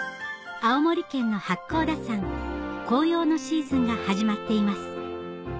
青森県の八甲田山紅葉のシーズンが始まっています